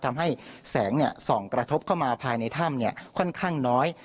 ทำให้แสงส่องกระทบเข้ามาภายในถ้ำค่อนข้างน้อย